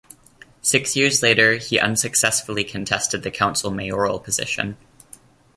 Six years later he unsuccessfully contested the council mayoral position.